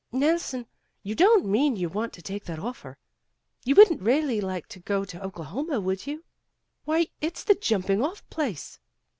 "Nelson, you don't mean you want to take that offer? You wouldn't really like to go to Oklahoma, would you? Why it's the jumping off place."